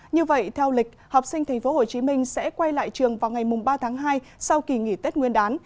như vậy theo lịch học sinh tp hcm sẽ quay lại trường vào ngày ba tháng hai sau kỳ nghỉ tết nguyên đán